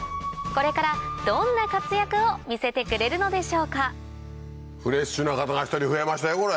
これからどんな活躍を見せてくれるのでしょうかフレッシュな方が１人増えましたよ。